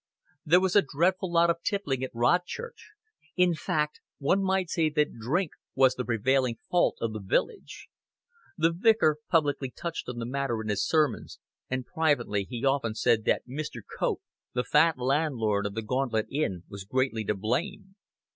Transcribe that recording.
There was a dreadful lot of tippling at Rodchurch: in fact, one might say that drink was the prevailing fault of the village. The vicar publicly touched on the matter in his sermons, and privately he often said that Mr. Cope, the fat landlord of The Gauntlet Inn, was greatly to blame.